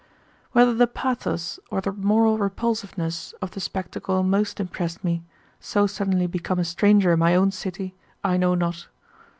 Whether the pathos or the moral repulsiveness of the spectacle most impressed me, so suddenly become a stranger in my own city, I know not.